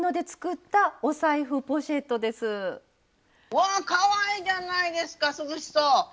わぁかわいいじゃないですか涼しそう！